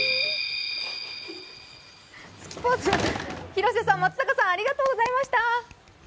広瀬さん、松坂さん、ありがとうございました。